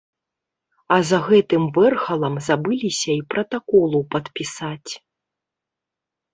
А за гэтым вэрхалам забыліся й пратаколу падпісаць.